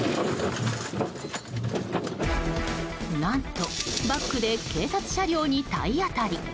何と、バックで警察車両に体当たり。